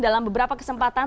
dalam beberapa kesempatan